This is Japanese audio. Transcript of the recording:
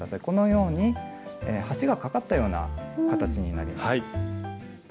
このように橋がかかったような形になります。